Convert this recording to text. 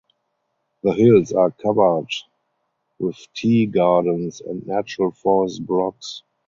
The hills are covered with tea gardens and natural forest blocks.